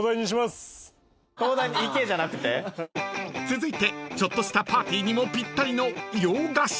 ［続いてちょっとしたパーティーにもぴったりの洋菓子］